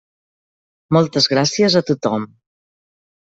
Moltes gràcies a tothom.